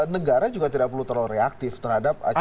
negara juga tidak perlu terlalu reaktif terhadap acara